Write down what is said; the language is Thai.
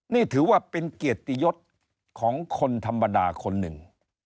นี่ถือว่าเป็นเกียรติยศของคนธรรมดาคนหนึ่ง